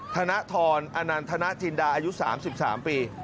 ธนทรอนันทนจินดาอายุ๓๓ปี